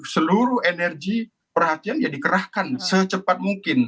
seluruh energi perhatian ya dikerahkan secepat mungkin